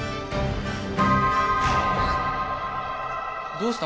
どうした？